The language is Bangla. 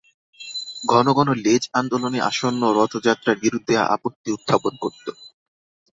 ঘন ঘন লেজ আন্দোলনে আসন্ন রথযাত্রার বিরুদ্ধে আপত্তি উত্থাপন করত।